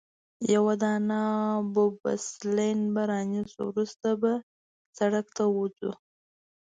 یوه دانه بوبسلیډ به رانیسو، وروسته به سړک ته ووځو.